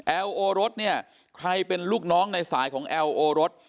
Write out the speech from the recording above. โอรสเนี่ยใครเป็นลูกน้องในสายของแอลโอรส